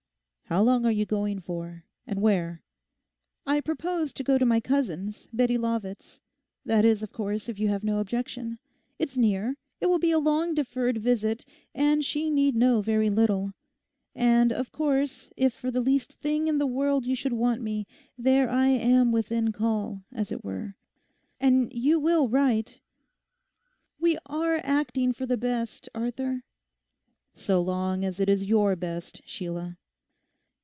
'How long are you going for? and where?' 'I proposed to go to my cousin's, Bettie Lovat's; that is, of course, if you have no objection. It's near; it will be a long deferred visit; and she need know very little. And, of course, if for the least thing in the world you should want me, there I am within call, as it were. And you will write? We are acting for the best, Arthur?' 'So long as it is your best, Sheila.